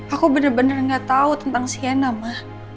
aku bener bener gak tau tentang sienna ma